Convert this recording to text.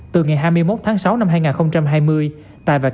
từ ngày hai mươi một tháng sáu năm hai nghìn hai mươi tài và các bị can lần lượt bị bắt